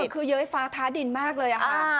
คือเย้ยฟ้าท้าดินมากเลยค่ะ